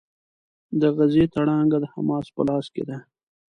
د غزې تړانګه د حماس په لاس کې ده.